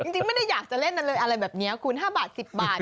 จริงไม่ได้อยากจะเล่นอะไรเลยอะไรแบบนี้คูณ๕บาท๑๐บาท